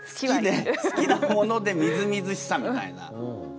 好きなものでみずみずしさみたいな。